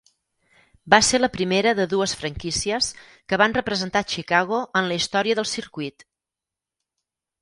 Va ser la primera de dues franquícies que van representar Chicago en la història del circuit.